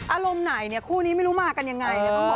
อารมณ์ไหนเนี่ยคู่นี้ไม่รู้มากันยังไงเนี่ย